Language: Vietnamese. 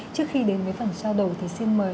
trước khi đến với phần sau đầu thì xin mời